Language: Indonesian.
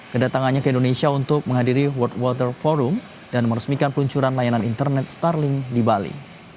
kedatangannya ke indonesia untuk menghadiri world water forum dan meresmikan peluncuran layanan internet starling di bali